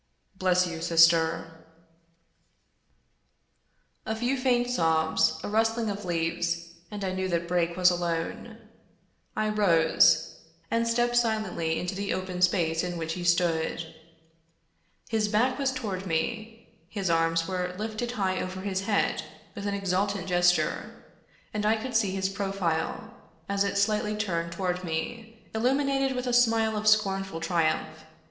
Bless you, sister." 66 Fitzjames O'Brien A few faint sobs, a rustling of leaves, and I knew that Brake was alone. I rose, and stepped silently into the open space in which he stood. His back was toward me. His arms were lifted high over his head with an exultant gesture, and I could see his profile, as it slightly turned toward me, illuminated with a smile of scornful triumph.